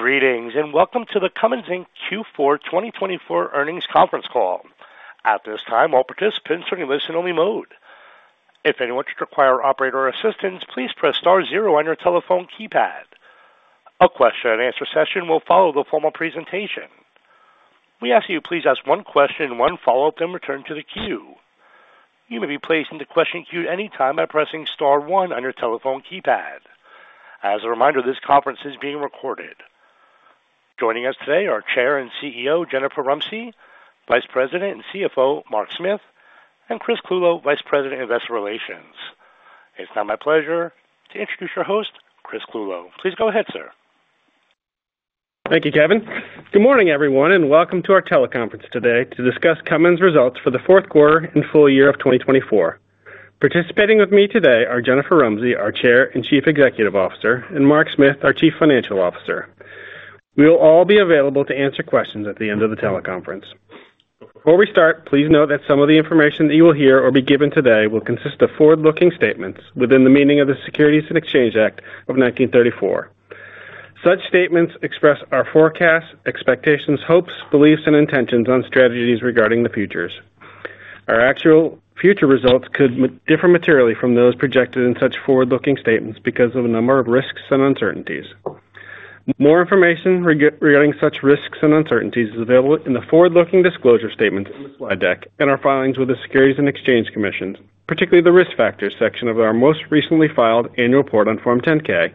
Greetings and welcome to the Cummins Inc. Q4 2024 Earnings Conference Call. At this time, all participants are in listen-only mode. If anyone should require operator assistance, please press star zero on your telephone keypad. A question-and-answer session will follow the formal presentation. We ask that you please ask one question, one follow-up, then return to the queue. You may be placed into question queue at any time by pressing star one on your telephone keypad. As a reminder, this conference is being recorded. Joining us today are Chair and CEO Jennifer Rumsey, Vice President and CFO Mark Smith, and Chris Clulow, Vice President Investor Relations. It's now my pleasure to introduce your host, Chris Clulow. Please go ahead, sir. Thank you, Kevin. Good morning, everyone, and welcome to our teleconference today to discuss Cummins' results for the fourth quarter and full year of 2024. Participating with me today are Jennifer Rumsey, our Chair and Chief Executive Officer, and Mark Smith, our Chief Financial Officer. We will all be available to answer questions at the end of the teleconference. Before we start, please note that some of the information that you will hear or be given today will consist of forward-looking statements within the meaning of the Securities and Exchange Act of 1934. Such statements express our forecasts, expectations, hopes, beliefs, and intentions on strategies regarding the futures. Our actual future results could differ materially from those projected in such forward-looking statements because of a number of risks and uncertainties. More information regarding such risks and uncertainties is available in the forward-looking disclosure statements in the slide deck and our filings with the Securities and Exchange Commission, particularly the risk factors section of our most recently filed annual report on Form 10-K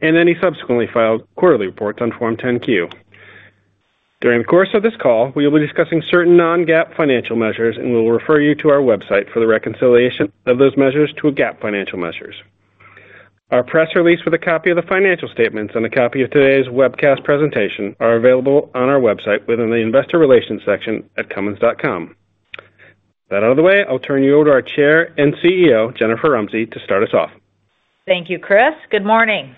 and any subsequently filed quarterly reports on Form 10-Q. During the course of this call, we will be discussing certain non-GAAP financial measures and will refer you to our website for the reconciliation of those measures to GAAP financial measures. Our press release with a copy of the financial statements and a copy of today's webcast presentation are available on our website within the Investor Relations section at cummins.com. That out of the way, I'll turn you over to our Chair and CEO, Jennifer Rumsey, to start us off. Thank you, Chris. Good morning.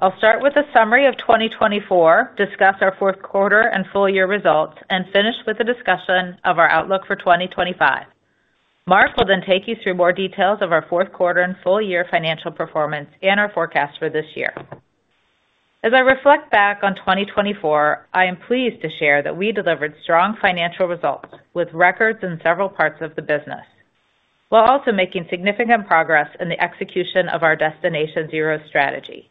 I'll start with a summary of 2024, discuss our fourth quarter and full year results, and finish with a discussion of our outlook for 2025. Mark will then take you through more details of our fourth quarter and full year financial performance and our forecast for this year. As I reflect back on 2024, I am pleased to share that we delivered strong financial results with records in several parts of the business, while also making significant progress in the execution of our Destination Zero strategy.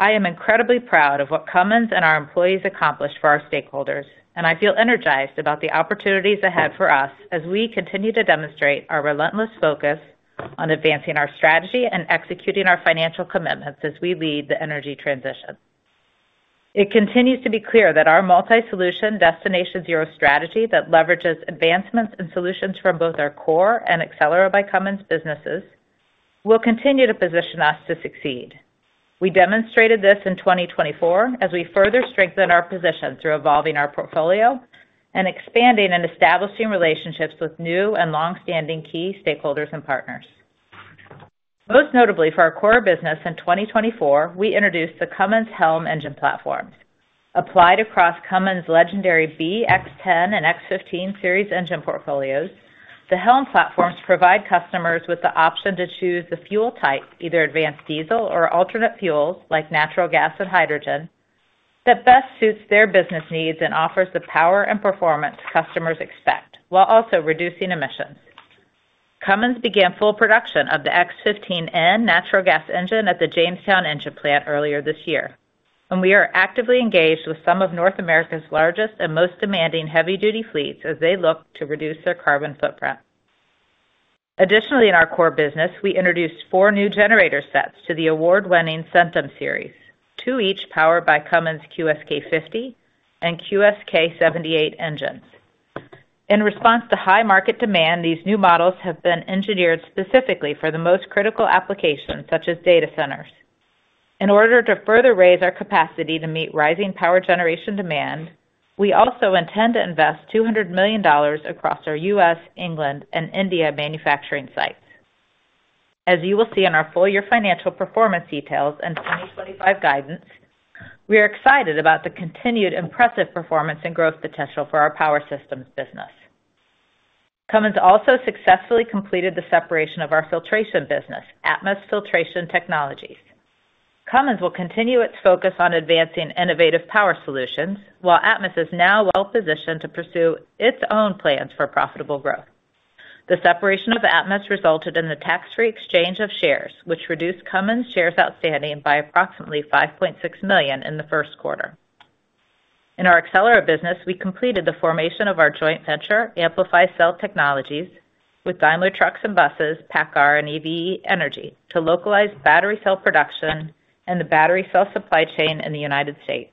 I am incredibly proud of what Cummins and our employees accomplished for our stakeholders, and I feel energized about the opportunities ahead for us as we continue to demonstrate our relentless focus on advancing our strategy and executing our financial commitments as we lead the energy transition. It continues to be clear that our multi-solution Destination Zero strategy that leverages advancements and solutions from both our core and Accelera by Cummins businesses will continue to position us to succeed. We demonstrated this in 2024 as we further strengthen our position through evolving our portfolio and expanding and establishing relationships with new and long-standing key stakeholders and partners. Most notably, for our core business in 2024, we introduced the Cummins HELM engine platforms. Applied across Cummins' legendary B, X10, and X15 series engine portfolios, the HELM platforms provide customers with the option to choose the fuel type, either advanced diesel or alternate fuels like natural gas and hydrogen, that best suits their business needs and offers the power and performance customers expect, while also reducing emissions. Cummins began full production of the X15N natural gas engine at the Jamestown Engine Plant earlier this year, and we are actively engaged with some of North America's largest and most demanding heavy-duty fleets as they look to reduce their carbon footprint. Additionally, in our core business, we introduced four new generator sets to the award-winning Centum Series, two each powered by Cummins QSK50 and QSK78 engines. In response to high market demand, these new models have been engineered specifically for the most critical applications, such as D&A centers. In order to further raise our capacity to meet rising power generation demand, we also intend to invest $200 million across our U.S., England, and India manufacturing sites. As you will see in our full year financial performance details and 2025 guidance, we are excited about the continued impressive performance and growth potential for our power systems business. Cummins also successfully completed the separation of our filtration business, Atmus Filtration Technologies. Cummins will continue its focus on advancing innovative power solutions, while Atmus is now well-positioned to pursue its own plans for profitable growth. The separation of Atmus resulted in the tax-free exchange of shares, which reduced Cummins' shares outstanding by approximately $5.6 million in the first quarter. In our Accelera business, we completed the formation of our joint venture, Amplify Cell Technologies, with Daimler Trucks and Buses, PACCAR, and EVE Energy to localize battery cell production and the battery cell supply chain in the United States.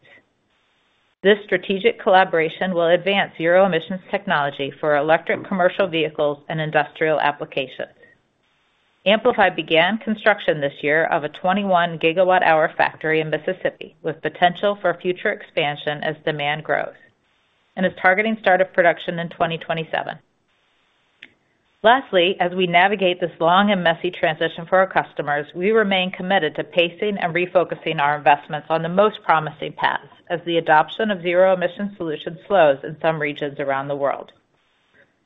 This strategic collaboration will advance zero-emissions technology for electric commercial vehicles and industrial applications. Amplify began construction this year of a 21 gigawatt-hour factory in Mississippi with potential for future expansion as demand grows and is targeting start of production in 2027. Lastly, as we navigate this long and messy transition for our customers, we remain committed to pacing and refocusing our investments on the most promising paths as the adoption of zero-emission solutions slows in some regions around the world.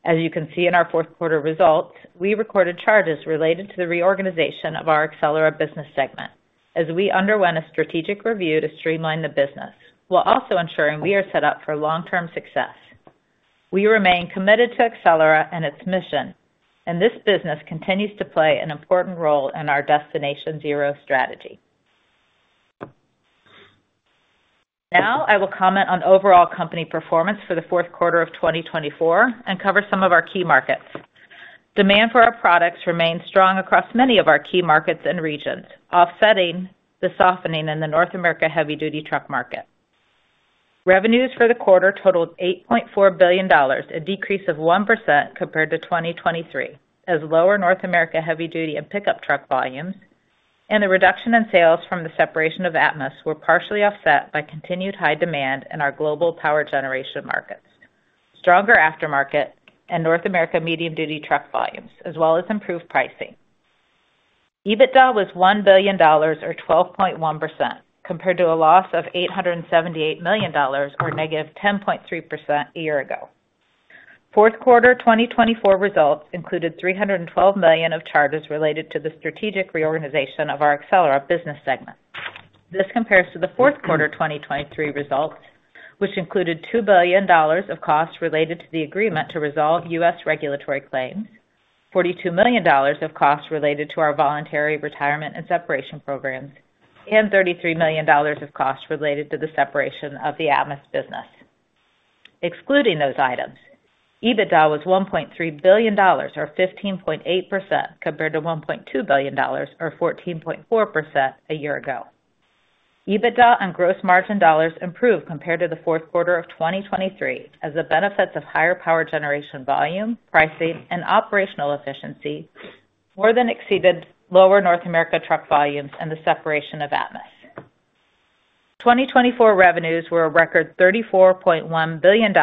As you can see in our fourth quarter results, we recorded charges related to the reorganization of our Accelera business segment as we underwent a strategic review to streamline the business, while also ensuring we are set up for long-term success. We remain committed to Accelera and its mission, and this business continues to play an important role in our Destination Zero strategy. Now, I will comment on overall company performance for the fourth quarter of 2024 and cover some of our key markets. Demand for our products remains strong across many of our key markets and regions, offsetting the softening in the North America heavy-duty truck market. Revenues for the quarter totaled $8.4 billion, a decrease of 1% compared to 2023, as lower North America heavy-duty and pickup truck volumes and the reduction in sales from the separation of Atmus were partially offset by continued high demand in our global power generation markets, stronger aftermarket, and North America medium-duty truck volumes, as well as improved pricing. EBITDA was $1 billion, or 12.1%, compared to a loss of $878 million, or negative 10.3% a year ago. Fourth quarter 2024 results included $312 million of charges related to the strategic reorganization of our Accelera business segment. This compares to the fourth quarter 2023 results, which included $2 billion of costs related to the agreement to resolve U.S. regulatory claims, $42 million of costs related to our voluntary retirement and separation programs, and $33 million of costs related to the separation of the Atmus business. Excluding those items, EBITDA was $1.3 billion, or 15.8%, compared to $1.2 billion, or 14.4% a year ago. EBITDA and gross margin dollars improved compared to the fourth quarter of 2023, as the benefits of higher power generation volume, pricing, and operational efficiency more than exceeded lower North America truck volumes and the separation of Atmus. 2024 revenues were a record $34.1 billion,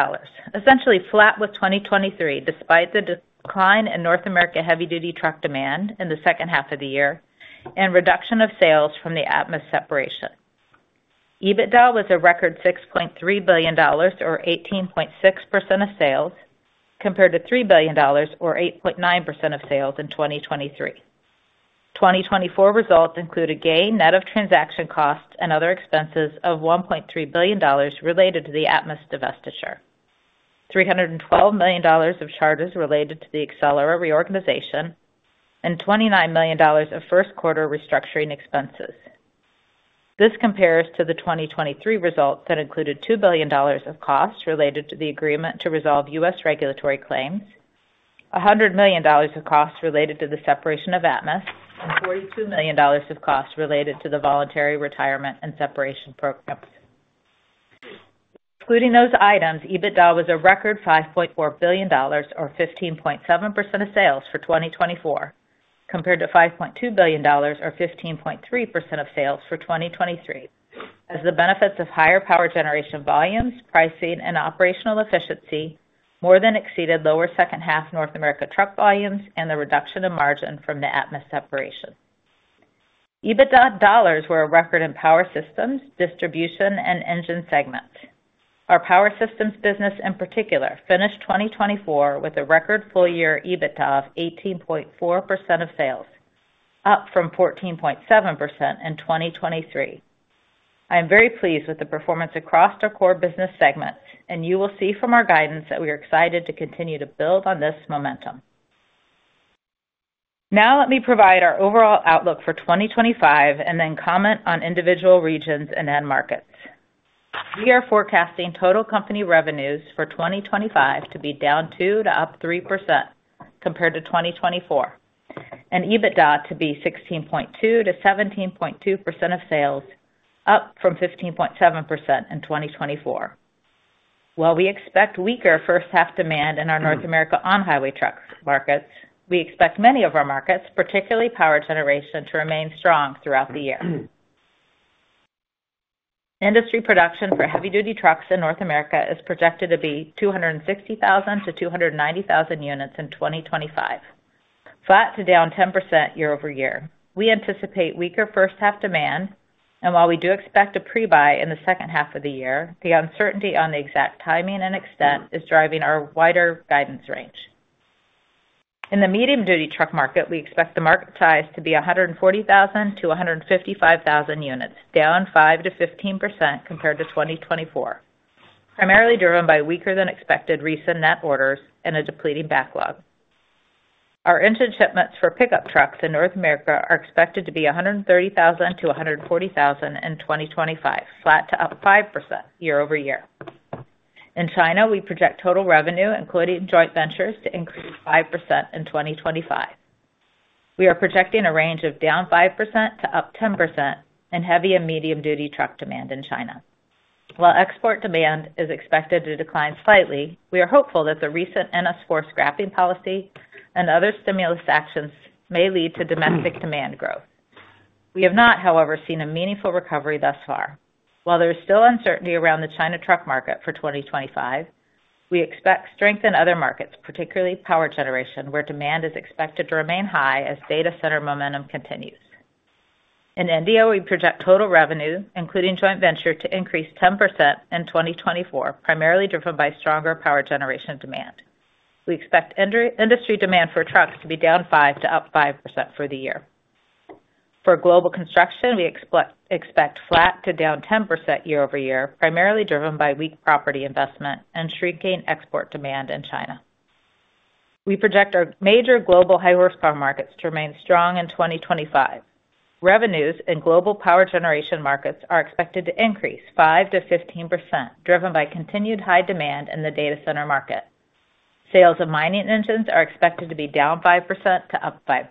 essentially flat with 2023, despite the decline in North America heavy-duty truck demand in the second half of the year and reduction of sales from the Atmus separation. EBITDA was a record $6.3 billion, or 18.6% of sales, compared to $3 billion, or 8.9% of sales in 2023. 2024 results included gain net of transaction costs and other expenses of $1.3 billion related to the Atmus divestiture, $312 million of charges related to the Accelera reorganization, and $29 million of first quarter restructuring expenses. This compares to the 2023 results that included $2 billion of costs related to the agreement to resolve U.S. regulatory claims, $100 million of costs related to the separation of Atmus, and $42 million of costs related to the voluntary retirement and separation programs. Including those items, EBITDA was a record $5.4 billion, or 15.7% of sales for 2024, compared to $5.2 billion, or 15.3% of sales for 2023, as the benefits of higher power generation volumes, pricing, and operational efficiency more than exceeded lower second half North America truck volumes and the reduction in margin from the Atmus separation. EBITDA dollars were a record in power systems, distribution, and engine segments. Our power systems business, in particular, finished 2024 with a record full year EBITDA of 18.4% of sales, up from 14.7% in 2023. I am very pleased with the performance across our core business segments, and you will see from our guidance that we are excited to continue to build on this momentum. Now, let me provide our overall outlook for 2025 and then comment on individual regions and end markets. We are forecasting total company revenues for 2025 to be down 2% to up 3% compared to 2024, and EBITDA to be 16.2%-17.2% of sales, up from 15.7% in 2024. While we expect weaker first half demand in our North America on-highway truck markets, we expect many of our markets, particularly power generation, to remain strong throughout the year. Industry production for heavy-duty trucks in North America is projected to be 260,000-290,000 units in 2025, flat to down 10% year over year. We anticipate weaker first half demand, and while we do expect a pre-buy in the second half of the year, the uncertainty on the exact timing and extent is driving our wider guidance range. In the medium-duty truck market, we expect the market size to be 140,000-155,000 units, down 5%-15% compared to 2024, primarily driven by weaker-than-expected recent net orders and a depleting backlog. Our engine shipments for pickup trucks in North America are expected to be 130,000-140,000 in 2025, flat to up 5% year over year. In China, we project total revenue, including joint ventures, to increase 5% in 2025. We are projecting a range of down 5% to up 10% in heavy and medium-duty truck demand in China. While export demand is expected to decline slightly, we are hopeful that the recent NS4 scrapping policy and other stimulus actions may lead to domestic demand growth. We have not, however, seen a meaningful recovery thus far. While there is still uncertainty around the China truck market for 2025, we expect strength in other markets, particularly power generation, where demand is expected to remain high as data center momentum continues. In India, we project total revenue, including joint venture, to increase 10% in 2024, primarily driven by stronger power generation demand. We expect industry demand for trucks to be down 5% to up 5% for the year. For global construction, we expect flat to down 10% year over year, primarily driven by weak property investment and shrinking export demand in China. We project our major global high horsepower markets to remain strong in 2025. Revenues in global power generation markets are expected to increase 5% to 15%, driven by continued high demand in the data center market. Sales of mining engines are expected to be down 5% to up 5%.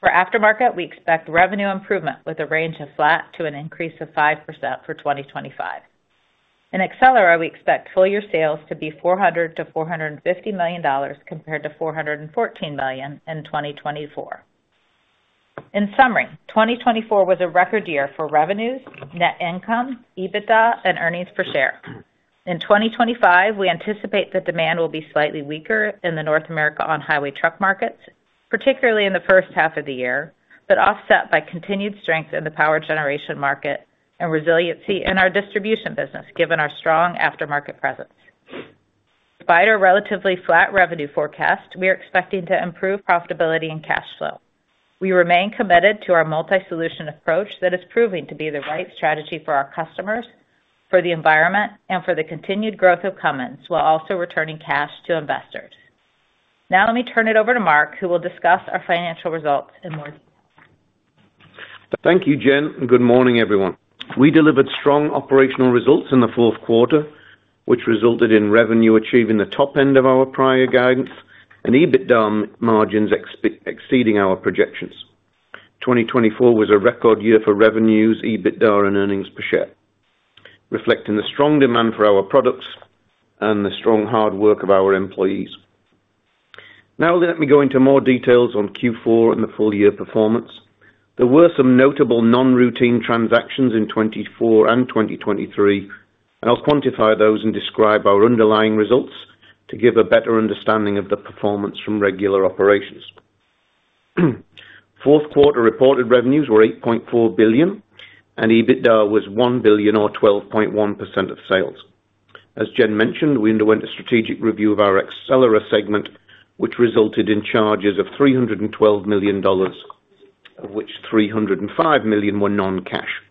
For aftermarket, we expect revenue improvement with a range of flat to an increase of 5% for 2025. In Accelera, we expect full year sales to be $400 million-$450 million compared to $414 million in 2024. In summary, 2024 was a record year for revenues, net income, EBITDA, and earnings per share. In 2025, we anticipate that demand will be slightly weaker in the North America on-highway truck markets, particularly in the first half of the year, but offset by continued strength in the power generation market and resiliency in our distribution business, given our strong aftermarket presence. Despite our relatively flat revenue forecast, we are expecting to improve profitability and cash flow. We remain committed to our multi-solution approach that is proving to be the right strategy for our customers, for the environment, and for the continued growth of Cummins, while also returning cash to investors. Now, let me turn it over to Mark, who will discuss our financial results in more detail. Thank you, Jen. Good morning, everyone. We delivered strong operational results in the fourth quarter, which resulted in revenue achieving the top end of our prior guidance and EBITDA margins exceeding our projections. 2024 was a record year for revenues, EBITDA, and earnings per share, reflecting the strong demand for our products and the strong hard work of our employees. Now, let me go into more details on Q4 and the full year performance. There were some notable non-routine transactions in 2024 and 2023, and I'll quantify those and describe our underlying results to give a better understanding of the performance from regular operations. Fourth quarter reported revenues were $8.4 billion, and EBITDA was $1 billion, or 12.1% of sales. As Jen mentioned, we underwent a strategic review of our Accelera segment, which resulted in charges of $312 million, of which $305 million were non-cash.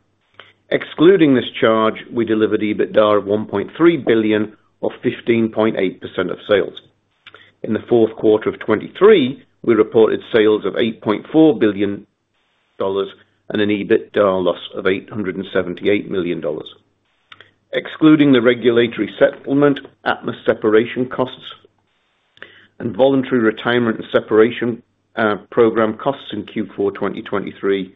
Excluding this charge, we delivered EBITDA of $1.3 billion, or 15.8% of sales. In the fourth quarter of 2023, we reported sales of $8.4 billion and an EBITDA loss of $878 million. Excluding the regulatory settlement, Atmus separation costs, and voluntary retirement and separation program costs in Q4 2023,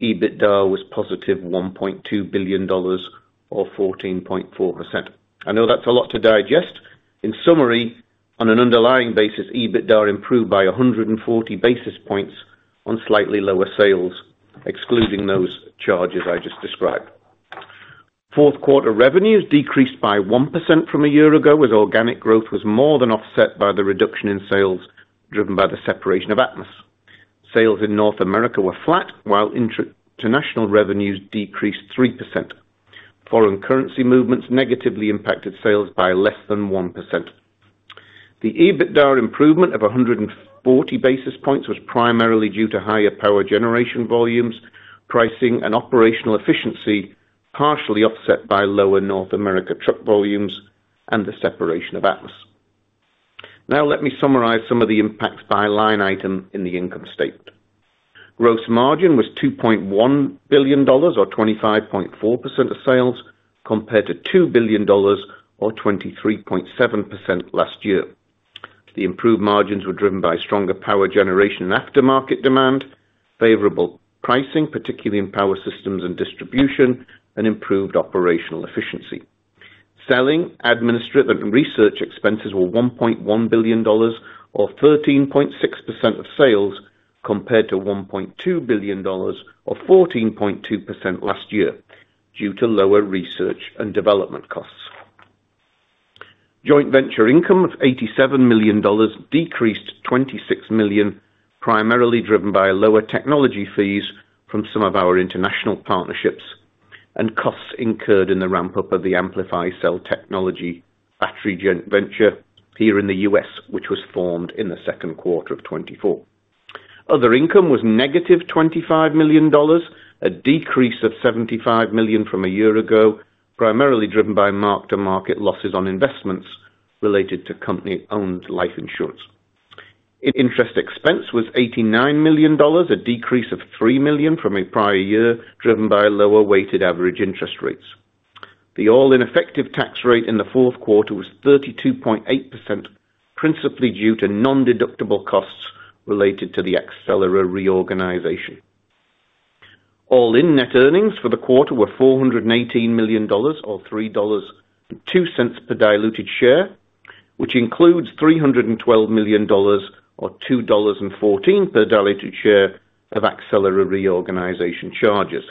EBITDA was positive $1.2 billion, or 14.4%. I know that's a lot to digest. In summary, on an underlying basis, EBITDA improved by 140 basis points on slightly lower sales, excluding those charges I just described. Fourth quarter revenues decreased by 1% from a year ago as organic growth was more than offset by the reduction in sales driven by the separation of Atmus. Sales in North America were flat, while international revenues decreased 3%. Foreign currency movements negatively impacted sales by less than 1%. The EBITDA improvement of 140 basis points was primarily due to higher power generation volumes, pricing, and operational efficiency, partially offset by lower North America truck volumes and the separation of Atmus. Now, let me summarize some of the impacts by line item in the income statement. Gross margin was $2.1 billion, or 25.4% of sales, compared to $2 billion, or 23.7% last year. The improved margins were driven by stronger power generation and aftermarket demand, favorable pricing, particularly in power systems and distribution, and improved operational efficiency. Selling, administrative, and research expenses were $1.1 billion, or 13.6% of sales, compared to $1.2 billion, or 14.2% last year, due to lower research and development costs. Joint venture income of $87 million decreased $26 million, primarily driven by lower technology fees from some of our international partnerships and costs incurred in the ramp-up of the Amplify Cell Technologies battery joint venture here in the U.S., which was formed in the second quarter of 2024. Other income was negative $25 million, a decrease of $75 million from a year ago, primarily driven by mark-to-market losses on investments related to company-owned life insurance. Interest expense was $89 million, a decrease of $3 million from a prior year, driven by lower weighted average interest rates. The effective tax rate in the fourth quarter was 32.8%, principally due to non-deductible costs related to the Accelera reorganization. All-in net earnings for the quarter were $418 million, or $3.02 per diluted share, which includes $312 million, or $2.14 per diluted share of Accelera reorganization charges.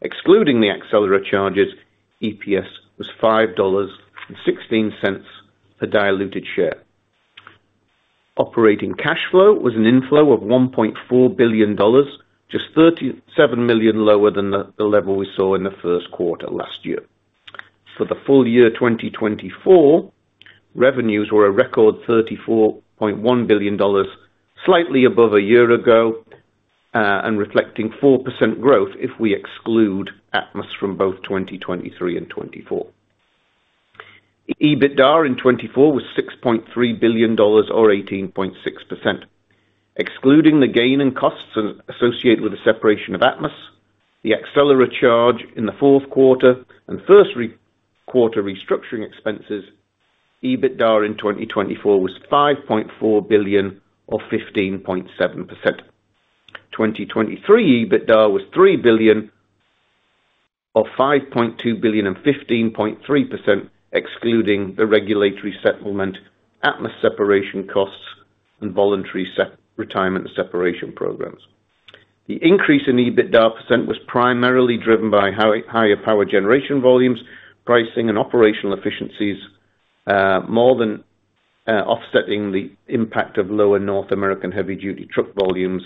Excluding the Accelera charges, EPS was $5.16 per diluted share. Operating cash flow was an inflow of $1.4 billion, just $37 million lower than the level we saw in the first quarter last year. For the full year 2024, revenues were a record $34.1 billion, slightly above a year ago and reflecting 4% growth if we exclude Atmus from both 2023 and 2024. EBITDA in 2024 was $6.3 billion, or 18.6%. Excluding the gain and costs associated with the separation of Atmus, the Accelera charge in the fourth quarter and first quarter restructuring expenses, EBITDA in 2024 was $5.4 billion, or 15.7%. 2023 EBITDA was $3 billion, or $5.2 billion, and 15.3%, excluding the regulatory settlement, Atmus separation costs, and voluntary retirement and separation programs. The increase in EBITDA percent was primarily driven by higher power generation volumes, pricing, and operational efficiencies, more than offsetting the impact of lower North American heavy-duty truck volumes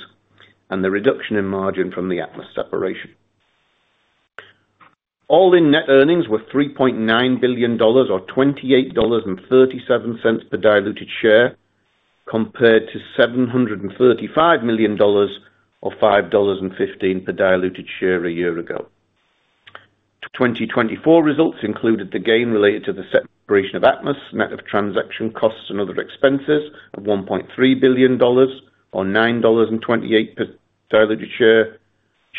and the reduction in margin from the Atmus separation. All-in net earnings were $3.9 billion, or $28.37 per diluted share, compared to $735 million, or $5.15 per diluted share a year ago. 2024 results included the gain related to the separation of Atmus, net of transaction costs and other expenses of $1.3 billion, or $9.28 per diluted share,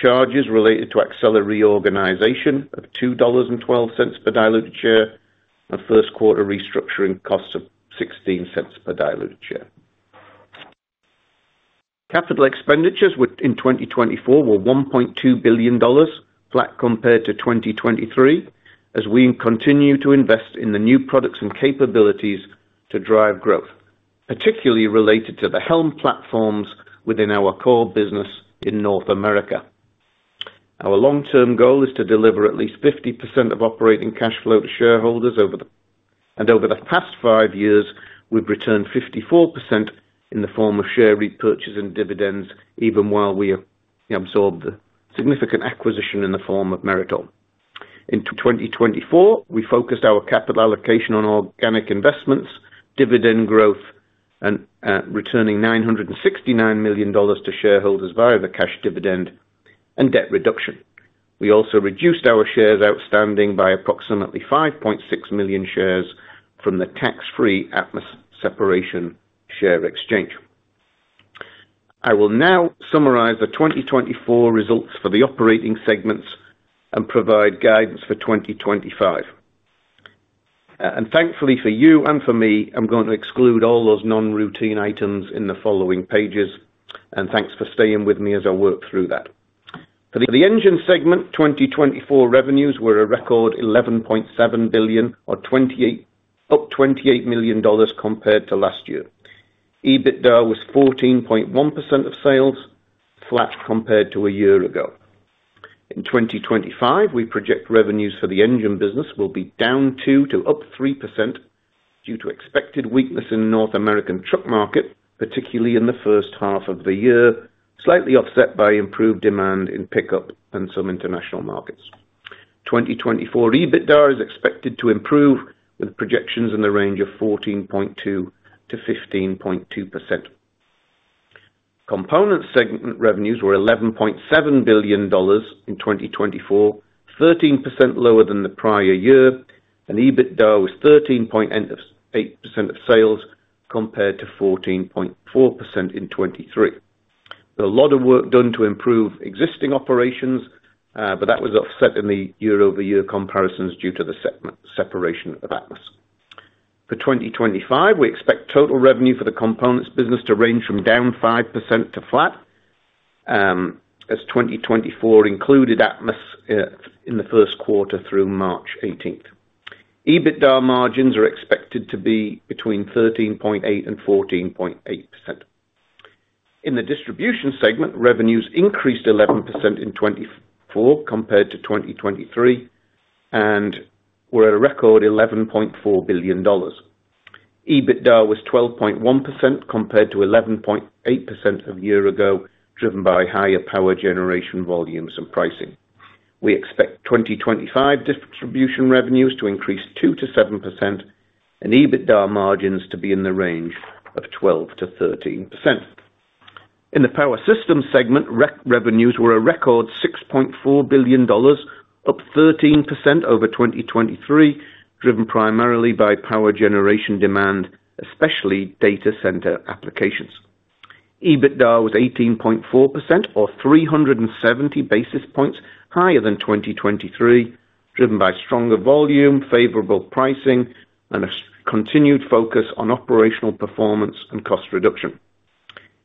charges related to Accelera reorganization of $2.12 per diluted share, and first quarter restructuring costs of $0.16 per diluted share. Capital expenditures in 2024 were $1.2 billion, flat compared to 2023, as we continue to invest in the new products and capabilities to drive growth, particularly related to the HELM platforms within our core business in North America. Our long-term goal is to deliver at least 50% of operating cash flow to shareholders, and over the past five years, we've returned 54% in the form of share repurchase and dividends, even while we absorbed the significant acquisition in the form of Meritor. In 2024, we focused our capital allocation on organic investments, dividend growth, and returning $969 million to shareholders via the cash dividend and debt reduction. We also reduced our shares outstanding by approximately 5.6 million shares from the tax-free Atmus separation share exchange. I will now summarize the 2024 results for the operating segments and provide guidance for 2025. And thankfully for you and for me, I'm going to exclude all those non-routine items in the following pages, and thanks for staying with me as I work through that. For the engine segment, 2024 revenues were a record $11.7 billion, or up $28 million compared to last year. EBITDA was 14.1% of sales, flat compared to a year ago. In 2025, we project revenues for the engine business will be down 2% to up 3% due to expected weakness in the North American truck market, particularly in the first half of the year, slightly offset by improved demand in pickup and some international markets. 2024 EBITDA is expected to improve with projections in the range of 14.2% to 15.2%. Component segment revenues were $11.7 billion in 2024, 13% lower than the prior year, and EBITDA was 13.8% of sales compared to 14.4% in 2023. There's a lot of work done to improve existing operations, but that was offset in the year-over-year comparisons due to the separation of Atmus. For 2025, we expect total revenue for the components business to range from down 5% to flat, as 2024 included Atmus in the first quarter through March 18th. EBITDA margins are expected to be between 13.8% and 14.8%. In the distribution segment, revenues increased 11% in 2024 compared to 2023 and were at a record $11.4 billion. EBITDA was 12.1% compared to 11.8% a year ago, driven by higher power generation volumes and pricing. We expect 2025 distribution revenues to increase 2%-7% and EBITDA margins to be in the range of 12%-13%. In the power systems segment, revenues were a record $6.4 billion, up 13% over 2023, driven primarily by power generation demand, especially data center applications. EBITDA was 18.4%, or 370 basis points higher than 2023, driven by stronger volume, favorable pricing, and a continued focus on operational performance and cost reduction.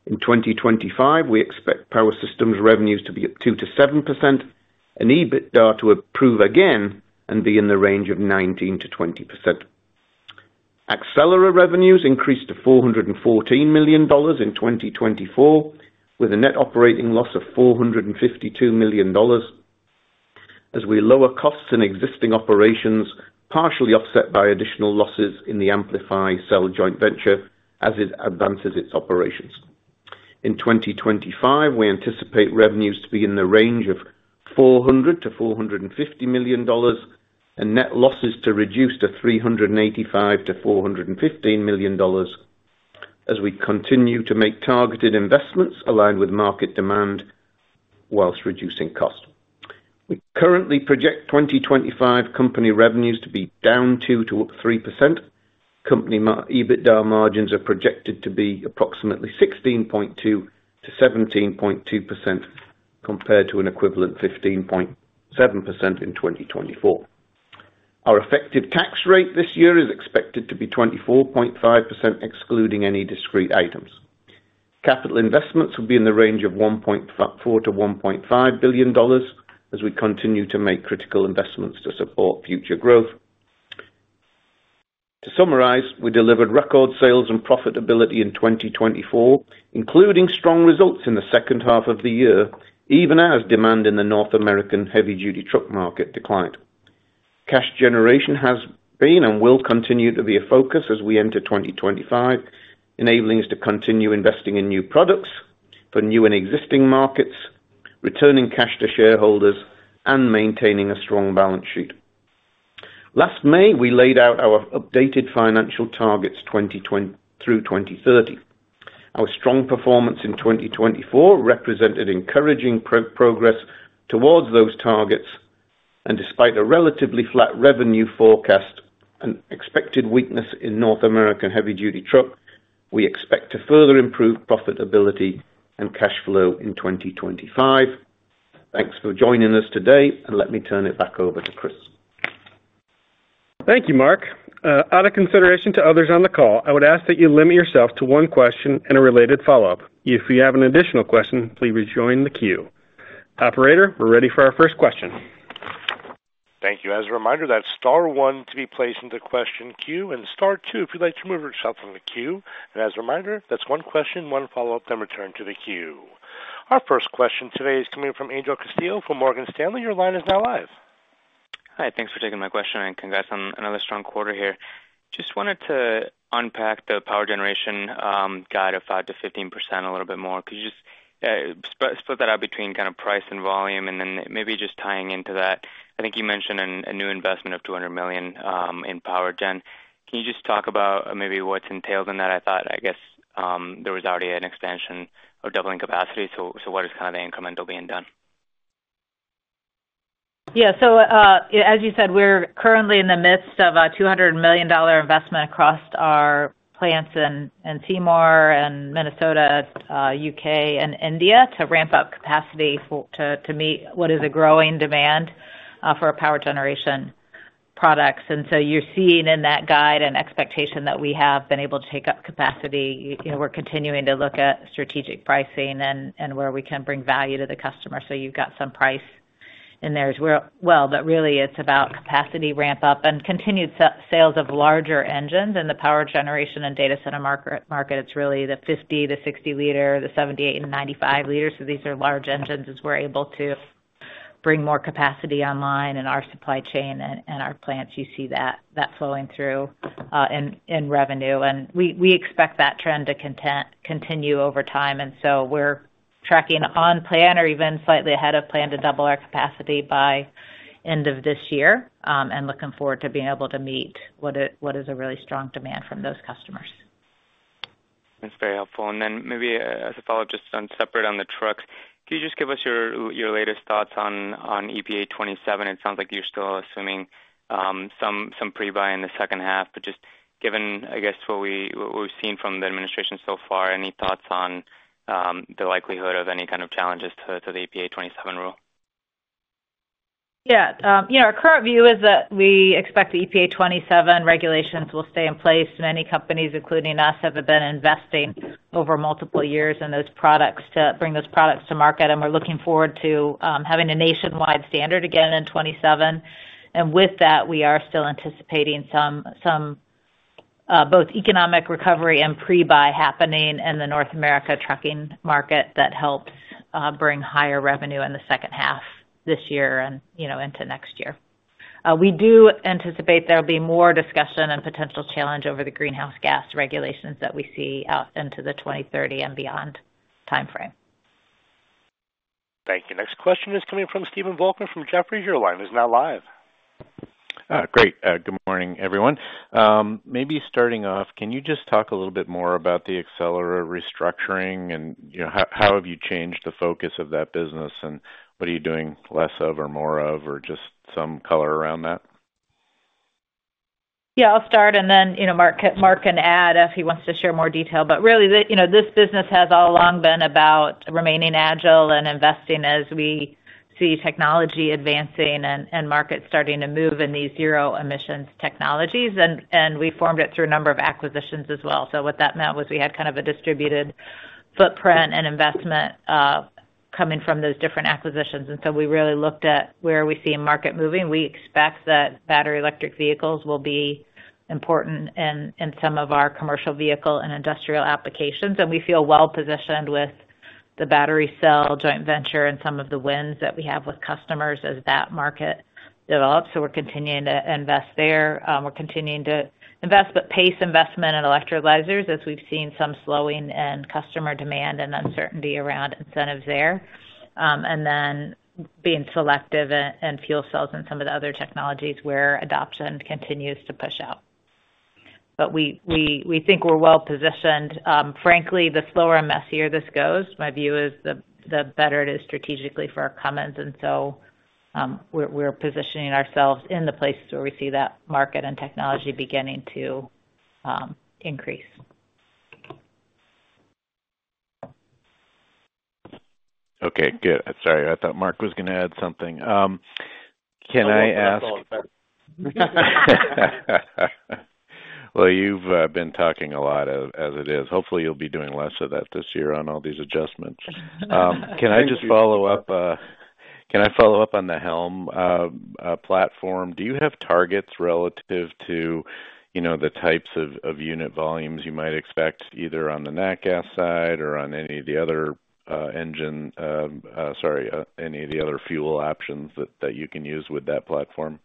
In 2025, we expect power systems revenues to be at 2%-7% and EBITDA to improve again and be in the range of 19%-20%. Accelera revenues increased to $414 million in 2024, with a net operating loss of $452 million, as we lower costs in existing operations, partially offset by additional losses in the Amplify Cell Joint Venture as it advances its operations. In 2025, we anticipate revenues to be in the range of $400 million-$450 million and net losses to reduce to $385 million-$415 million, as we continue to make targeted investments aligned with market demand while reducing costs. We currently project 2025 company revenues to be down 2% to up 3%. Company EBITDA margins are projected to be approximately 16.2% to 17.2% compared to an equivalent 15.7% in 2024. Our effective tax rate this year is expected to be 24.5%, excluding any discrete items. Capital investments will be in the range of $1.4 billion-$1.5 billion, as we continue to make critical investments to support future growth. To summarize, we delivered record sales and profitability in 2024, including strong results in the second half of the year, even as demand in the North American heavy-duty truck market declined. Cash generation has been and will continue to be a focus as we enter 2025, enabling us to continue investing in new products for new and existing markets, returning cash to shareholders, and maintaining a strong balance sheet. Last May, we laid out our updated financial targets through 2030. Our strong performance in 2024 represented encouraging progress towards those targets, and despite a relatively flat revenue forecast and expected weakness in North American heavy-duty truck, we expect to further improve profitability and cash flow in 2025. Thanks for joining us today, and let me turn it back over to Chris. Thank you, Mark. Out of consideration to others on the call, I would ask that you limit yourself to one question and a related follow-up. If you have an additional question, please join the queue. Operator, we're ready for our first question. Thank you. As a reminder, that's Star 1 to be placed into question queue, and Star 2, if you'd like to remove yourself from the queue. And as a reminder, that's one question, one follow-up, then return to the queue. Our first question today is coming from Angel Castillo from Morgan Stanley. Your line is now live. Hi. Thanks for taking my question, and congrats on another strong quarter here. Just wanted to unpack the power generation guide of 5%-15% a little bit more. Could you just split that out between kind of price and volume, and then maybe just tying into that? I think you mentioned a new investment of $200 million in power gen. Can you just talk about maybe what's entailed in that? I thought, I guess, there was already an extension of doubling capacity. So what is kind of the incremental being done? Yeah. So as you said, we're currently in the midst of a $200 million investment across our plants in Seymour and Minnesota, U.K., and India to ramp up capacity to meet what is a growing demand for power generation products. And so you're seeing in that guide an expectation that we have been able to take up capacity. We're continuing to look at strategic pricing and where we can bring value to the customer. So you've got some price in there. Well, but really, it's about capacity ramp-up and continued sales of larger engines. In the power generation and data center market, it's really the 50 to 60L, the 78 and 95L. So these are large engines as we're able to bring more capacity online in our supply chain and our plants. You see that flowing through in revenue. And we expect that trend to continue over time. And so we're tracking on plan or even slightly ahead of plan to double our capacity by the end of this year and looking forward to being able to meet what is a really strong demand from those customers. That's very helpful. And then, maybe as a follow-up, just separate on the trucks, could you just give us your latest thoughts on EPA 27? It sounds like you're still assuming some pre-buy in the second half. But just given, I guess, what we've seen from the administration so far, any thoughts on the likelihood of any kind of challenges to the EPA 27 rule? Yeah. Our current view is that we expect the EPA 27 regulations will stay in place, and many companies, including us, have been investing over multiple years in those products to bring those products to market. And we're looking forward to having a nationwide standard again in 27. And with that, we are still anticipating some both economic recovery and pre-buy happening in the North America trucking market that helps bring higher revenue in the second half this year and into next year. We do anticipate there will be more discussion and potential challenge over the greenhouse gas regulations that we see out into the 2030 and beyond timeframe. Thank you. Next question is coming from Stephen Volkmann from Jefferies. Your line is now live. Great. Good morning, everyone. Maybe starting off, can you just talk a little bit more about the Accelera restructuring and how have you changed the focus of that business and what are you doing less of or more of or just some color around that? Yeah. I'll start, and then Mark can add if he wants to share more detail. But really, this business has all along been about remaining agile and investing as we see technology advancing and markets starting to move in these zero-emissions technologies. And we formed it through a number of acquisitions as well. So what that meant was we had kind of a distributed footprint and investment coming from those different acquisitions. And so we really looked at where we see market moving. We expect that battery electric vehicles will be important in some of our commercial vehicle and industrial applications. And we feel well-positioned with the battery cell joint venture and some of the wins that we have with customers as that market develops. So we're continuing to invest there. We're continuing to invest, but pace investment in electrolyzers as we've seen some slowing in customer demand and uncertainty around incentives there. And then being selective in fuel cells and some of the other technologies where adoption continues to push out. But we think we're well-positioned. Frankly, the slower and messier this goes, my view is the better it is strategically for our Cummins. And so we're positioning ourselves in the places where we see that market and technology beginning to increase. Okay. Good. Sorry. I thought Mark was going to add something. Can I ask? Well, you've been talking a lot as it is. Hopefully, you'll be doing less of that this year on all these adjustments. Can I just follow up? Can I follow up on the HELM platform? Do you have targets relative to the types of unit volumes you might expect either on the on-highway side or on any of the other engine—sorry, any of the other fuel options that you can use with that platform?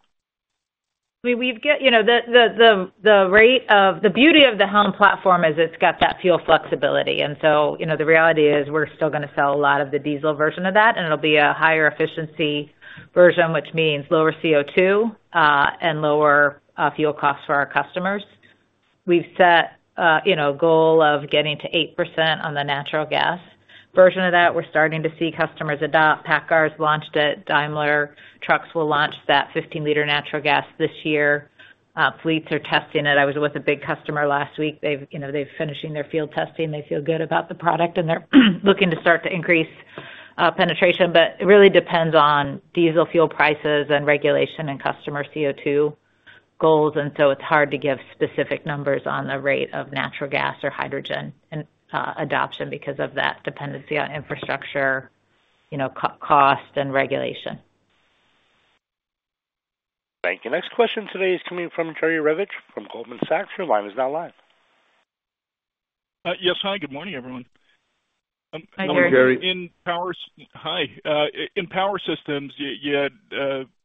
I mean, the real beauty of the HELM platform is it's got that fuel flexibility. And so the reality is we're still going to sell a lot of the diesel version of that, and it'll be a higher efficiency version, which means lower CO2 and lower fuel costs for our customers. We've set a goal of getting to 8% on the natural gas version of that. We're starting to see customers adopt. PACCAR launched it. Daimler Trucks will launch that 15-liter natural gas this year. Fleets are testing it. I was with a big customer last week. They're finishing their field testing. They feel good about the product, and they're looking to start to increase penetration. But it really depends on diesel fuel prices and regulation and customer CO2 goals. And so it's hard to give specific numbers on the rate of natural gas or hydrogen adoption because of that dependency on infrastructure, cost, and regulation. Thank you. Next question today is coming from Jerry Revich from Goldman Sachs. Your line is now live. Yes. Hi. Good morning, everyone. I'm Jerry. Hi. In power systems, you had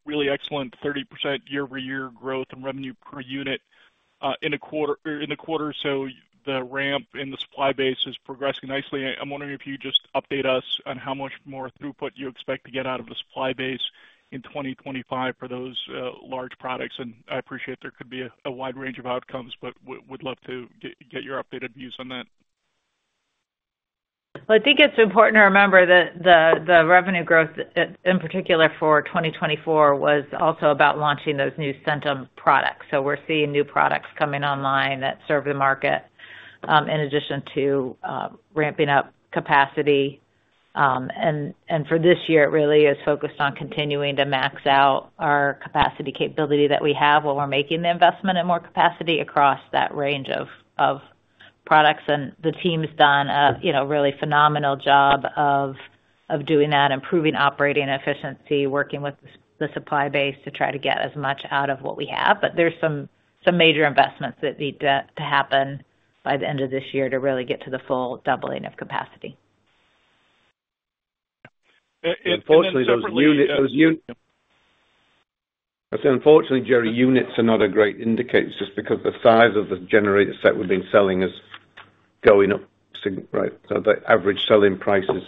really excellent 30% year-over-year growth and revenue per unit in a quarter. So the ramp in the supply base is progressing nicely. I'm wondering if you just update us on how much more throughput you expect to get out of the supply base in 2025 for those large products. And I appreciate there could be a wide range of outcomes, but would love to get your updated views on that. Well, I think it's important to remember that the revenue growth, in particular for 2024, was also about launching those new Centum products. So we're seeing new products coming online that serve the market in addition to ramping up capacity. And for this year, it really is focused on continuing to max out our capacity capability that we have while we're making the investment in more capacity across that range of products. And the team's done a really phenomenal job of doing that, improving operating efficiency, working with the supply base to try to get as much out of what we have. But there's some major investments that need to happen by the end of this year to really get to the full doubling of capacity. Unfortunately, those units, I said, unfortunately, Jerry, units are not a great indicator just because the size of the generator set we've been selling is going up. Right? So the average selling price has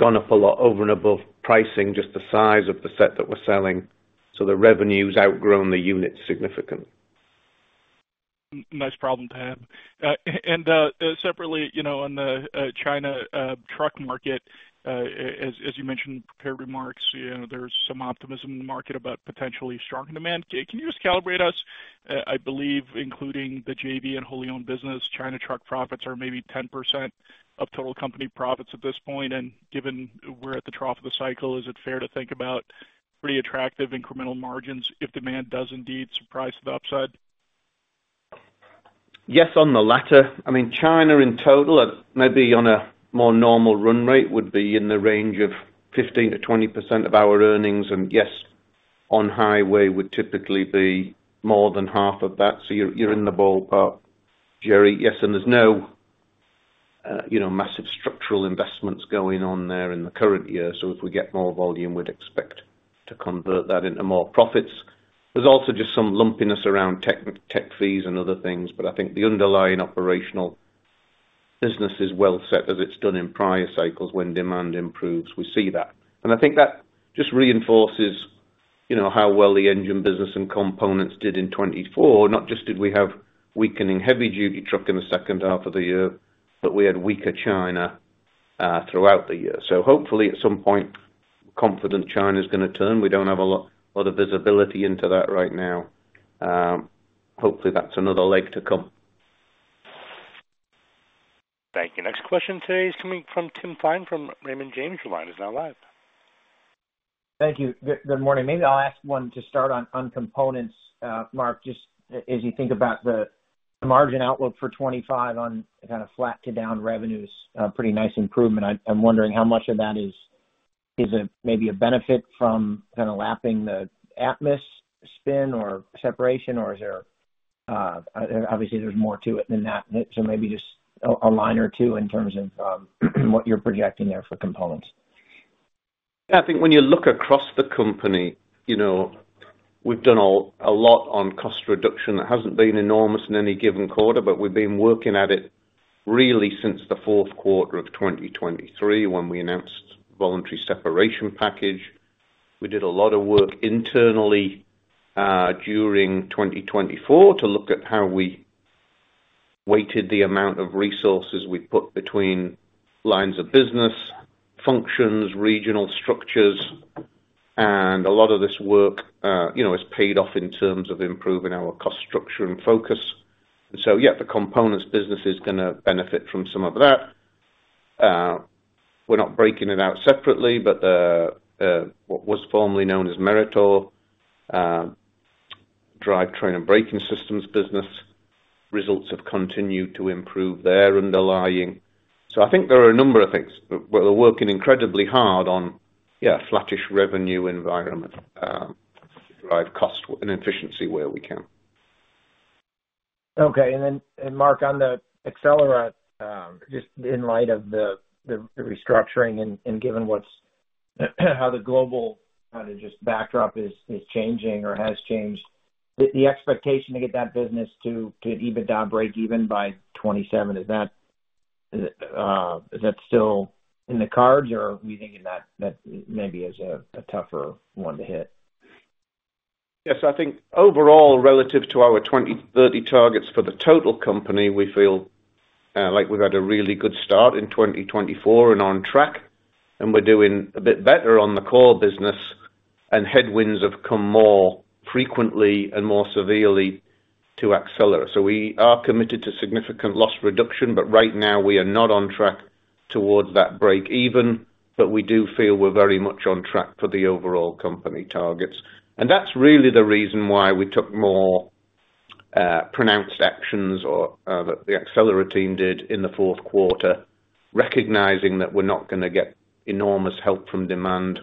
gone up a lot over and above pricing, just the size of the set that we're selling. So the revenue's outgrown the units significantly. Nice problem to have. Separately, on the China truck market, as you mentioned in prepared remarks, there's some optimism in the market about potentially strong demand. Can you just calibrate us? I believe, including the JV and wholly-owned business, China truck profits are maybe 10% of total company profits at this point. And given we're at the trough of the cycle, is it fair to think about pretty attractive incremental margins if demand does indeed surprise to the upside? Yes, on the latter. I mean, China in total, maybe on a more normal run rate, would be in the range of 15%-20% of our earnings. And yes, on-highway would typically be more than half of that. So you're in the ballpark. Jerry, yes. And there's no massive structural investments going on there in the current year. So if we get more volume, we'd expect to convert that into more profits. There's also just some lumpiness around tech fees and other things. But I think the underlying operational business is well set as it's done in prior cycles when demand improves. We see that. And I think that just reinforces how well the engine business and components did in 2024. Not just did we have weakening heavy-duty truck in the second half of the year, but we had weaker China throughout the year. So hopefully, at some point, confidence in China is going to turn. We don't have a lot of visibility into that right now. Hopefully, that's another leg to come. Thank you. Next question today is coming from Tim Thein from Raymond James's line. He's now live. Thank you. Good morning. Maybe I'll ask one to start on components, Mark, just as you think about the margin outlook for 2025 on kind of flat to down revenues. Pretty nice improvement. I'm wondering how much of that is maybe a benefit from kind of lapping the Atmus spin or separation, or is there obviously, there's more to it than that. So maybe just a line or two in terms of what you're projecting there for components. Yeah. I think when you look across the company, we've done a lot on cost reduction. It hasn't been enormous in any given quarter, but we've been working at it really since the fourth quarter of 2023 when we announced the voluntary separation package. We did a lot of work internally during 2024 to look at how we weighted the amount of resources we put between lines of business, functions, regional structures. A lot of this work has paid off in terms of improving our cost structure and focus. And so, yeah, the components business is going to benefit from some of that. We're not breaking it out separately, but what was formerly known as Meritor drivetrain and braking systems business, results have continued to improve their underlying. So I think there are a number of things. We're working incredibly hard on, yeah, a flattish revenue environment to drive cost and efficiency where we can. Okay. And then, Mark, on the Accelera, just in light of the restructuring and given how the global kind of just backdrop is changing or has changed, the expectation to get that business to even break even by 2027, is that still in the cards, or are we thinking that maybe is a tougher one to hit? Yes. I think overall, relative to our 2030 targets for the total company, we feel like we've had a really good start in 2024 and on track. And we're doing a bit better on the core business, and headwinds have come more frequently and more severely to Accelera. So we are committed to significant loss reduction, but right now, we are not on track towards that break even. But we do feel we're very much on track for the overall company targets. And that's really the reason why we took more pronounced actions that the Accelera team did in the fourth quarter, recognizing that we're not going to get enormous help from demand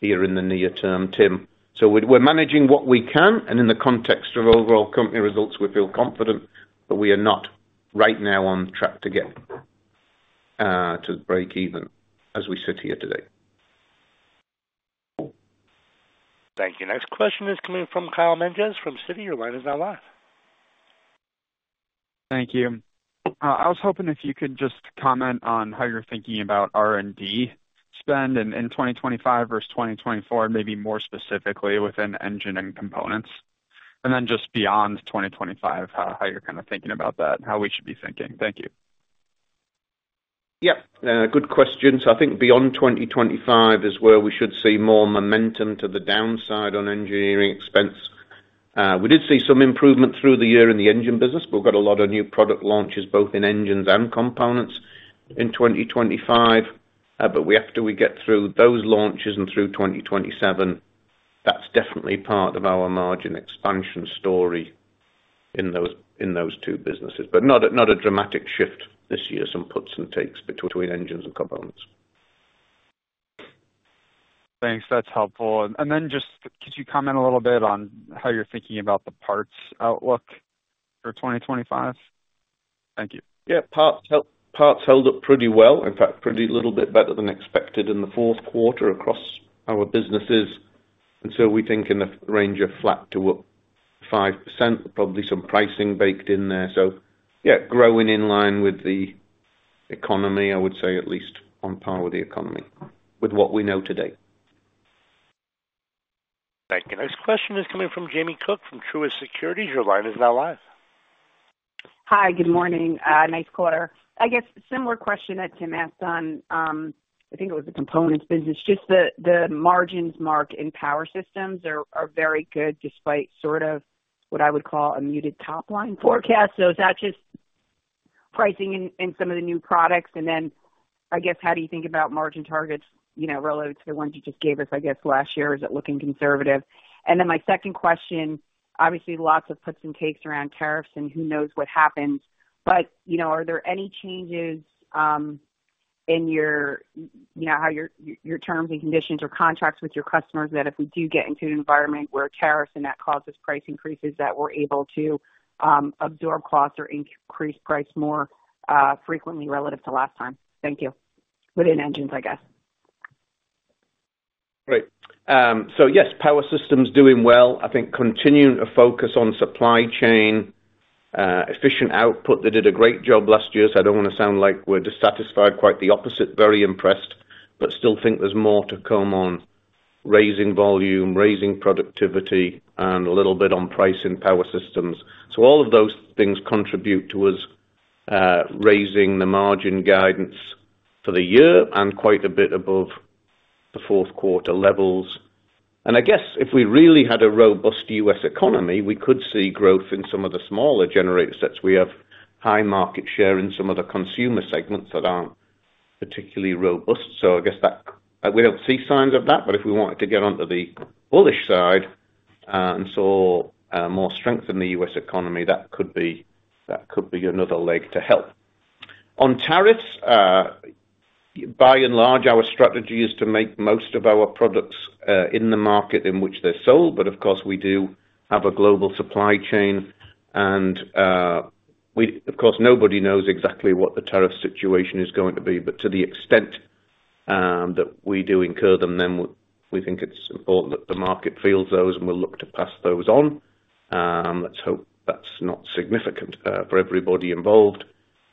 here in the near term, Tim. So we're managing what we can. And in the context of overall company results, we feel confident, but we are not right now on track to get to break even as we sit here today. Thank you. Next question is coming from Kyle Menges from Citigroup. Your line is now live. Thank you. I was hoping if you could just comment on how you're thinking about R&D spend in 2025 versus 2024, maybe more specifically within engine and components. And then just beyond 2025, how you're kind of thinking about that, how we should be thinking. Thank you. Yep. Good question. So I think beyond 2025 is where we should see more momentum to the downside on engineering expense. We did see some improvement through the year in the engine business. We've got a lot of new product launches, both in engines and components in 2025. But after we get through those launches and through 2027, that's definitely part of our margin expansion story in those two businesses. But not a dramatic shift this year, some puts and takes between engines and components. Thanks. That's helpful. And then just could you comment a little bit on how you're thinking about the parts outlook for 2025? Thank you. Yeah. Parts held up pretty well, in fact, a little bit better than expected in the fourth quarter across our businesses. And so we think in the range of flat to up 5%, probably some pricing baked in there. So, yeah, growing in line with the economy, I would say, at least on par with the economy with what we know today. Thank you. Next question is coming from Jamie Cook from Truist Securities. Your line is now live. Hi. Good morning. Nice quarter. I guess similar question that Tim asked on, I think it was the components business. Just the margins, Mark, in power systems are very good despite sort of what I would call a muted top line forecast. So is that just pricing in some of the new products? And then I guess how do you think about margin targets relative to the ones you just gave us, I guess, last year? Is it looking conservative? And then my second question, obviously, lots of puts and takes around tariffs and who knows what happens. But are there any changes in how your terms and conditions or contracts with your customers that if we do get into an environment where tariffs and that causes price increases that we're able to absorb costs or increase price more frequently relative to last time? Thank you. Within engines, I guess. Great. So, yes, power systems doing well. I think continuing to focus on supply chain, efficient output that did a great job last year, so I don't want to sound like we're dissatisfied, quite the opposite, very impressed, but still think there's more to come on raising volume, raising productivity, and a little bit on price in power systems. So all of those things contribute towards raising the margin guidance for the year and quite a bit above the fourth quarter levels, and I guess if we really had a robust U.S. economy, we could see growth in some of the smaller generator sets. We have high market share in some of the consumer segments that aren't particularly robust, so I guess we don't see signs of that. But if we wanted to get onto the bullish side and saw more strength in the U.S. economy, that could be another leg to help. On tariffs, by and large, our strategy is to make most of our products in the market in which they're sold. But of course, we do have a global supply chain. And of course, nobody knows exactly what the tariff situation is going to be. But to the extent that we do incur them, then we think it's important that the market feels those and we'll look to pass those on. Let's hope that's not significant for everybody involved.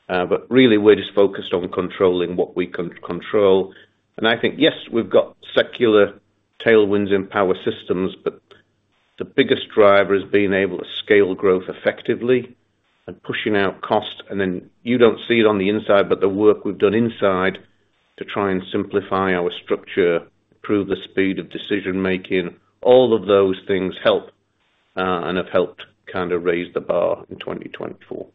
But really, we're just focused on controlling what we can control. And I think, yes, we've got secular tailwinds in power systems, but the biggest driver is being able to scale growth effectively and pushing out costs. And then you don't see it on the inside, but the work we've done inside to try and simplify our structure, improve the speed of decision-making, all of those things help and have helped kind of raise the bar in 2024.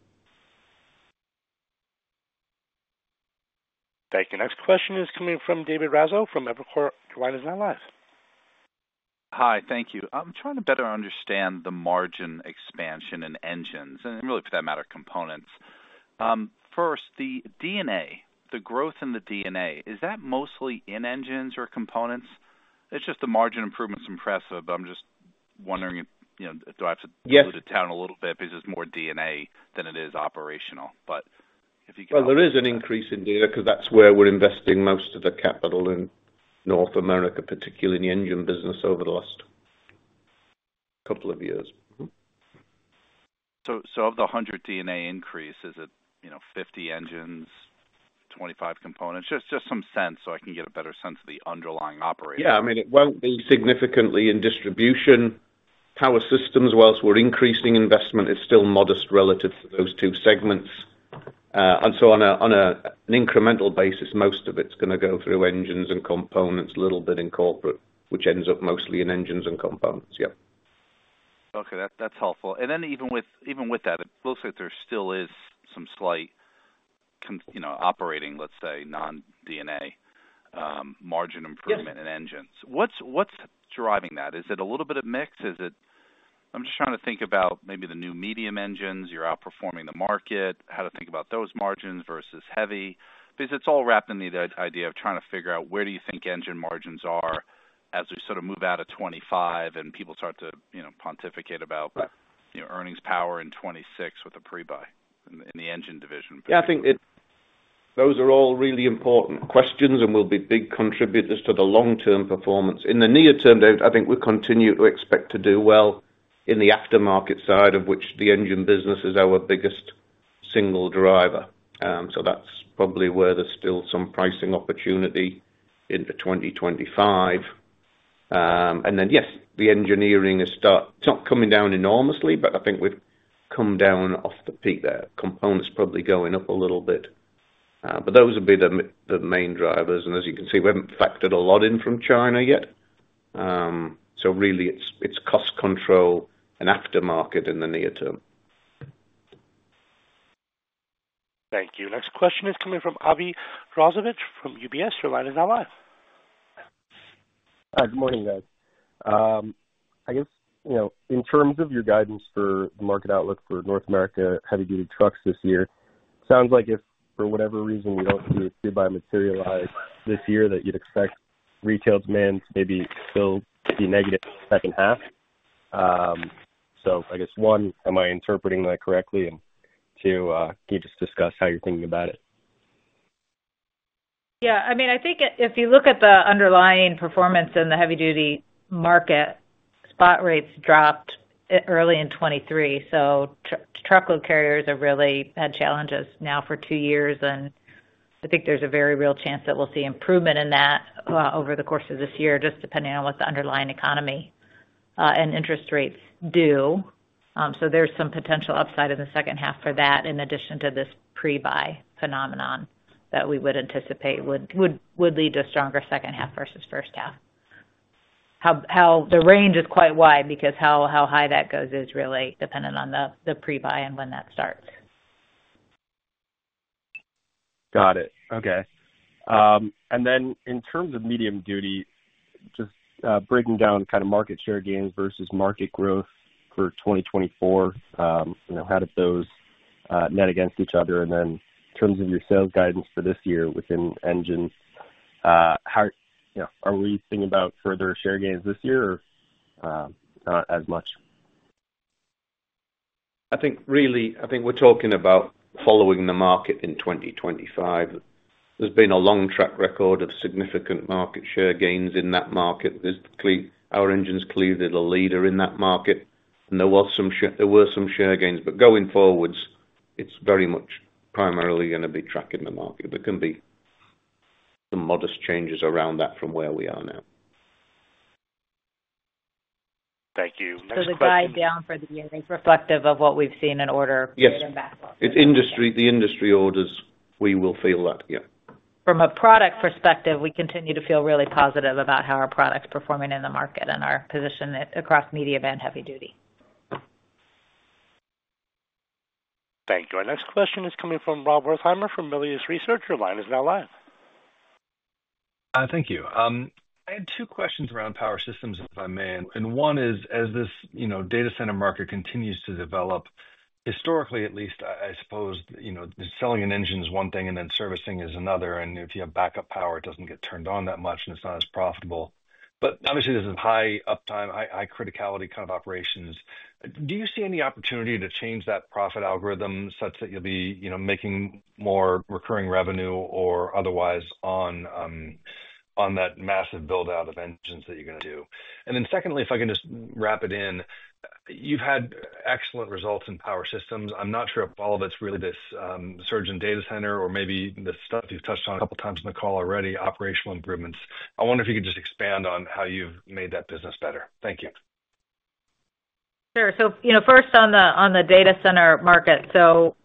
Thank you. Next question is coming from David Raso from Evercore ISI. He's now live. Hi. Thank you. I'm trying to better understand the margin expansion in engines and really, for that matter, components. First, the D&A, the growth in the D&A, is that mostly in engines or components? It's just the margin improvement's impressive, but I'm just wondering if I have to dilute it down a little bit because it's more D&A than it is operational. But if you can, well, there is an increase in data because that's where we're investing most of the capital in North America, particularly in the engine business over the last couple of years. So of the 100 D&A increase, is it 50 engines, 25 components? Just some sense so I can get a better sense of the underlying operation. Yeah. I mean, it won't be significantly in distribution. Power systems, while we're increasing investment, is still modest relative to those two segments. And so on an incremental basis, most of it's going to go through engines and components, a little bit in corporate, which ends up mostly in engines and components. Yep. Okay. That's helpful. And then even with that, it looks like there still is some slight operating, let's say, non-D&A margin improvement in engines. What's driving that? Is it a little bit of mix? I'm just trying to think about maybe the new medium engines, you're outperforming the market, how to think about those margins versus heavy. Because it's all wrapped in the idea of trying to figure out where do you think engine margins are as we sort of move out of 2025 and people start to pontificate about earnings power in 2026 with a pre-buy in the engine division. Yeah. I think those are all really important questions and will be big contributors to the long-term performance. In the near term, I think we continue to expect to do well in the aftermarket side of which the engine business is our biggest single driver. So that's probably where there's still some pricing opportunity into 2025. And then, yes, the engineering, it's not coming down enormously, but I think we've come down off the peak there. Components are probably going up a little bit. But those would be the main drivers. And as you can see, we haven't factored a lot in from China yet. So really, it's cost control and aftermarket in the near term. Thank you. Next question is coming from Avi Jaroslawicz from UBS. Your line is now live. Hi. Good morning, guys. I guess in terms of your guidance for the market outlook for North America heavy-duty trucks this year, it sounds like if for whatever reason we don't see a pre-buy materialize this year, that you'd expect retail demand to maybe still be negative in the second half. So I guess, one, am I interpreting that correctly? And two, can you just discuss how you're thinking about it? Yeah. I mean, I think if you look at the underlying performance in the heavy-duty market, spot rates dropped early in 2023. So truckload carriers have really had challenges now for two years. And I think there's a very real chance that we'll see improvement in that over the course of this year, just depending on what the underlying economy and interest rates do. So there's some potential upside in the second half for that, in addition to this pre-buy phenomenon that we would anticipate would lead to a stronger second half versus first half. The range is quite wide because how high that goes is really dependent on the pre-buy and when that starts. Got it. Okay. And then in terms of medium-duty, just breaking down kind of market share gains versus market growth for 2024, how did those net against each other? And then in terms of your sales guidance for this year within engines, are we thinking about further share gains this year or not as much? I think really, I think we're talking about following the market in 2025. There's been a long track record of significant market share gains in that market. Our engines clearly are the leader in that market. And there were some share gains. But going forwards, it's very much primarily going to be tracking the market. There can be some modest changes around that from where we are now. Thank you. Next question. So the burn down for the year is reflective of what we've seen in order for the backlog? Yes. It's the industry orders. We will feel that, yeah. From a product perspective, we continue to feel really positive about how our product's performing in the market and our position across medium and heavy duty. Thank you. Our next question is coming from Rob Wertheimer from Melius Research. Your line is now live. Thank you. I had two questions around power systems, if I may. And one is, as this data center market continues to develop, historically, at least, I suppose selling an engine is one thing and then servicing is another. And if you have backup power, it doesn't get turned on that much and it's not as profitable. But obviously, this is high uptime, high criticality kind of operations. Do you see any opportunity to change that profit algorithm such that you'll be making more recurring revenue or otherwise on that massive build-out of engines that you're going to do? And then secondly, if I can just wrap it in, you've had excellent results in power systems. I'm not sure if all of it's really this surge in data center or maybe the stuff you've touched on a couple of times in the call already, operational improvements. I wonder if you could just expand on how you've made that business better. Thank you. Sure, so first on the data center market, so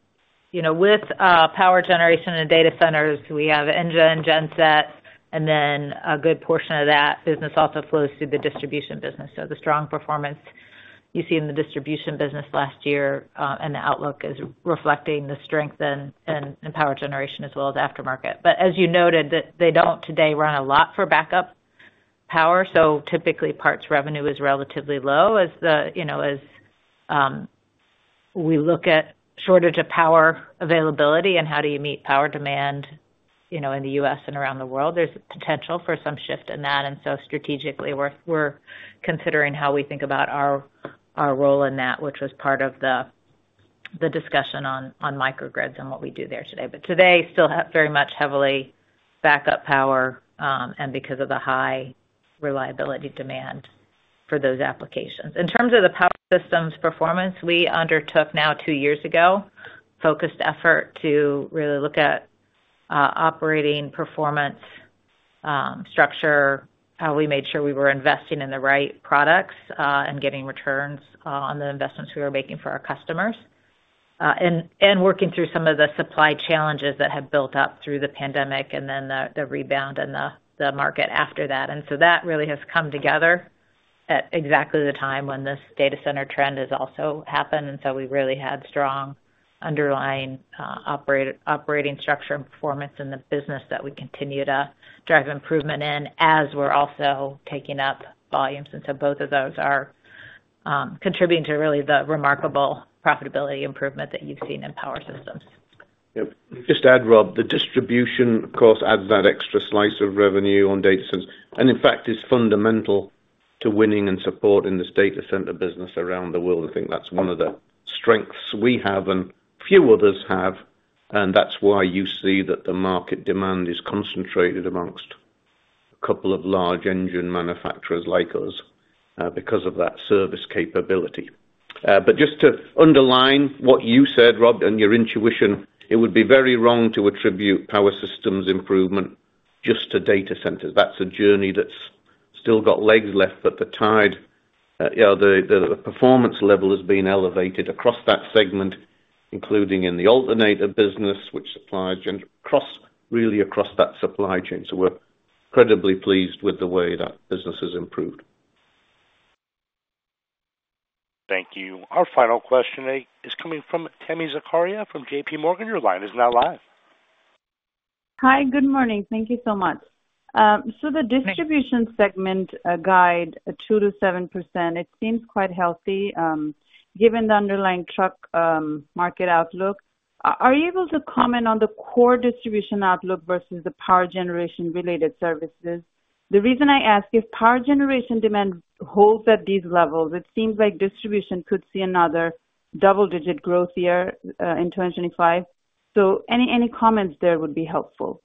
with power generation and data centers, we have engine and genset, and then a good portion of that business also flows through the distribution business. So the strong performance you see in the distribution business last year and the outlook is reflecting the strength in power generation as well as aftermarket. But as you noted, they don't today run a lot for backup power. So typically, parts revenue is relatively low as we look at shortage of power availability and how do you meet power demand in the U.S. and around the world. There's potential for some shift in that. And so strategically, we're considering how we think about our role in that, which was part of the discussion on microgrids and what we do there today. But today, still very much heavily backup power and because of the high reliability demand for those applications. In terms of the power systems performance, we undertook now two years ago a focused effort to really look at operating performance structure, how we made sure we were investing in the right products and getting returns on the investments we were making for our customers, and working through some of the supply challenges that had built up through the pandemic and then the rebound and the market after that. And so that really has come together at exactly the time when this data center trend has also happened. And so we really had strong underlying operating structure and performance in the business that we continue to drive improvement in as we're also taking up volumes. And so both of those are contributing to really the remarkable profitability improvement that you've seen in power systems. Yep. Just to add, Rob, the distribution, of course, adds that extra slice of revenue on data centers and, in fact, is fundamental to winning and supporting this data center business around the world. I think that's one of the strengths we have and few others have. And that's why you see that the market demand is concentrated amongst a couple of large engine manufacturers like us because of that service capability. But just to underline what you said, Rob, and your intuition, it would be very wrong to attribute power systems improvement just to data centers. That's a journey that's still got legs left, but the tide or the performance level has been elevated across that segment, including in the alternator business, which supplies really across that supply chain. So we're incredibly pleased with the way that business has improved. Thank you. Our final question is coming from Tami Zakaria from JPMorgan. Your line is now live. Hi. Good morning. Thank you so much. So the distribution segment guide, 2%-7%, it seems quite healthy given the underlying truck market outlook. Are you able to comment on the core distribution outlook versus the power generation-related services? The reason I ask, if power generation demand holds at these levels, it seems like distribution could see another double-digit growth year in 2025. So any comments there would be helpful.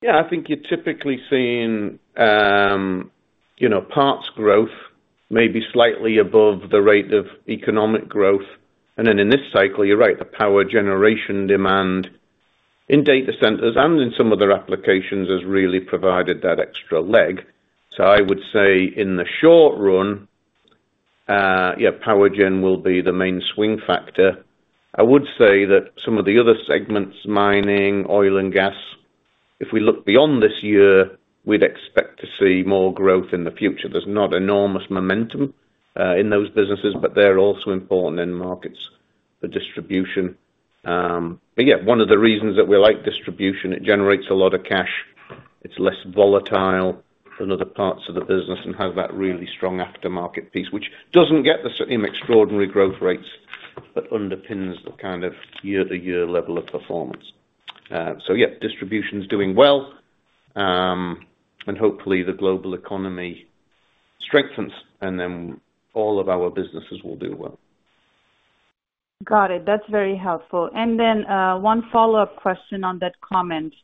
Yeah. I think you're typically seeing parts growth maybe slightly above the rate of economic growth. And then in this cycle, you're right, the power generation demand in data centers and in some other applications has really provided that extra leg. So I would say in the short run, yeah, power gen will be the main swing factor. I would say that some of the other segments, mining, oil, and gas, if we look beyond this year, we'd expect to see more growth in the future. There's not enormous momentum in those businesses, but they're also important in markets for distribution. But yeah, one of the reasons that we like distribution, it generates a lot of cash. It's less volatile than other parts of the business and has that really strong aftermarket piece, which doesn't get the same extraordinary growth rates, but underpins the kind of year-to-year level of performance. So yeah, distribution's doing well. And hopefully, the global economy strengthens, and then all of our businesses will do well. Got it. That's very helpful. And then one follow-up question on that comment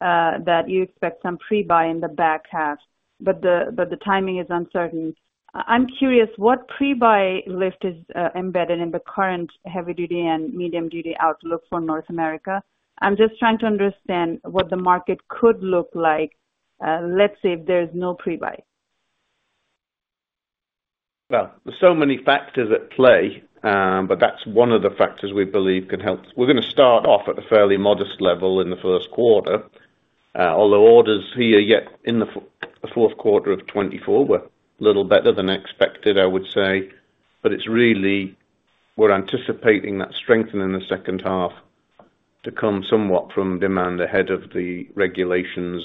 that you expect some pre-buy in the back half, but the timing is uncertain. I'm curious, what pre-buy lift is embedded in the current heavy-duty and medium-duty outlook for North America? I'm just trying to understand what the market could look like, let's say, if there's no pre-buy. Well, there's so many factors at play, but that's one of the factors we believe can help. We're going to start off at a fairly modest level in the first quarter. Although orders here yet in the fourth quarter of 2024 were a little better than expected, I would say. But it's really, we're anticipating that strengthening in the second half to come somewhat from demand ahead of the regulations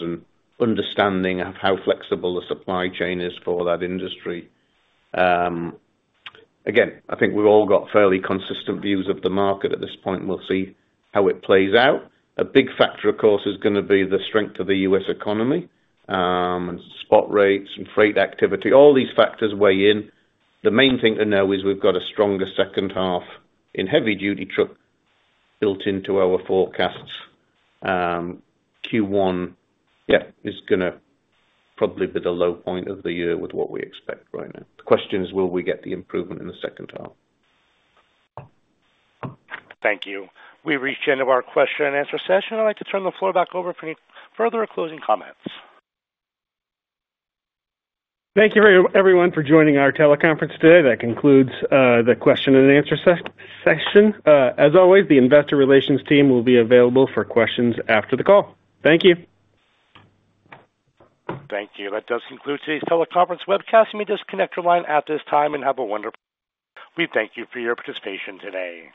and understanding of how flexible the supply chain is for that industry. Again, I think we've all got fairly consistent views of the market at this point. We'll see how it plays out. A big factor, of course, is going to be the strength of the U.S. economy and spot rates and freight activity. All these factors weigh in. The main thing to know is we've got a stronger second half in heavy-duty truck built into our forecasts. Q1, yeah, is going to probably be the low point of the year with what we expect right now. The question is, will we get the improvement in the second half? Thank you. We reached the end of our question and answer session. I'd like to turn the floor back over for any further closing comments. Thank you, everyone, for joining our teleconference today. That concludes the question and answer session. As always, the investor relations team will be available for questions after the call. Thank you. Thank you. That does conclude today's teleconference webcast. You may disconnect your line at this time and have a wonderful. We thank you for your participation today.